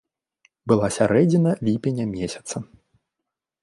Была сярэдзіна ліпеня месяца.